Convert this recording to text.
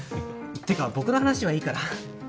ってか僕の話はいいから。